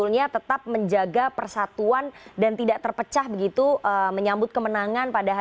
negara kan tidak mungkin